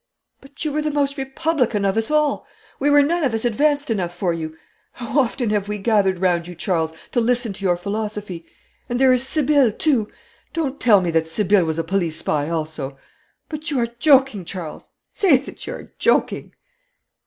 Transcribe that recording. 'But you were the most republican of us all. We were none of us advanced enough for you. How often have we gathered round you, Charles, to listen to your philosophy! And there is Sibylle, too! Don't tell me that Sibylle was a police spy also. But you are joking, Charles. Say that you are joking!'